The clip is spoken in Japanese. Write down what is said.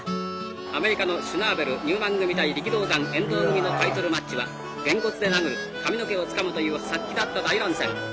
「アメリカのシュナーベルニューマン組対力道山遠藤組のタイトルマッチはげんこつで殴る髪の毛をつかむという殺気だった大乱戦」。